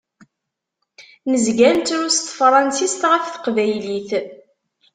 Nezga nettru s tefransist ɣef teqbaylit.